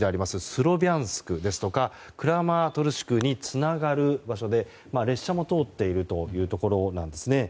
スロビャンスクやクラマトルシクにつながる場所で列車も通っているところです。